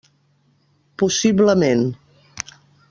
Possiblement.